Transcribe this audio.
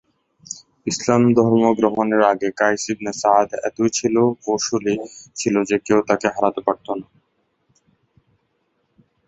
ইসলাম ধর্ম গ্রহণের আগে কায়েস ইবনে সা'দ এতই ছিলো কৌশলী ছিলো যে কেউ তাকে হারাতে পারতো না।